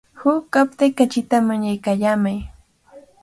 Huk aptay kachita mañaykallamay.